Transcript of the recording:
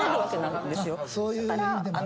そういう意味でもありますね。